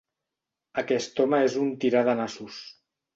Aquest home és un tirà de nassos.